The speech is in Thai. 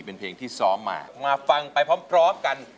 เป็นเพลงที่ซ้อมมามาฟังไปพร้อมกัน